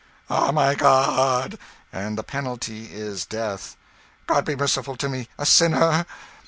"Ah, my God!" "And the penalty is death!" "God be merciful to me a sinner!"